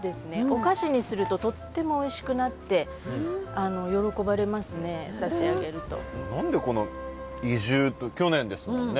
お菓子にするととってもおいしくなって喜ばれますね差し上げると。